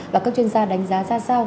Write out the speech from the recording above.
và các chuyên gia đánh giá ra sao